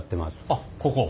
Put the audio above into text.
あっここ。